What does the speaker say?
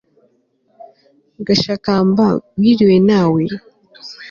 gashakamba wirirwe nawe